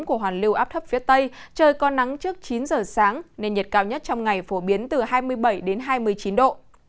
của hoàn lưu áp thấp phía tây trời có nắng trước chín giờ sáng nên nhiệt cao nhất trong ngày phổ biến từ hai mươi bảy đến hai mươi chín độ